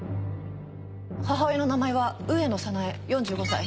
母親の名前は上野早苗４５歳。